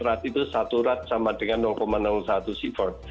rat itu satu rat sama dengan satu siver